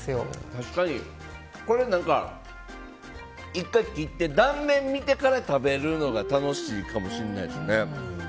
確かに、これ１回切って断面を見てから食べるのが楽しいかもしれないですね。